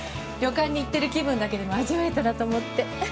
旅館に行ってる気分だけでも味わえたらと思って。